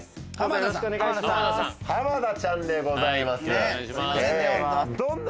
よろしくお願いします。